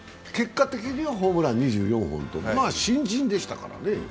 結果的にはホームラン２４本と、新人でしたからね。